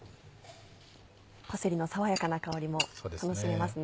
パセリの爽やかな香りも楽しめますね。